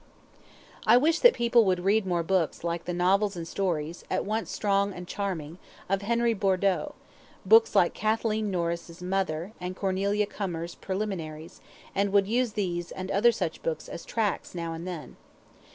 I wish that people would read books like the novels and stories, at once strong and charming, of Henry Bordeaux, books like Kathleen Norris's "Mother," and Cornelia Comer's "Preliminaries," and would use these, and other such books, as tracts, now and then!